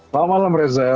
selamat malam reza